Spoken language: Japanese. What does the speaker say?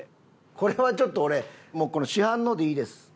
これはちょっと俺もうこの市販のでいいです。